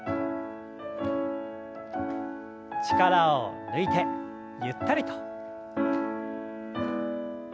力を抜いてゆったりと。